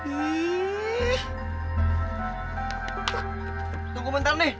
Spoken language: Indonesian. tunggu bentar nih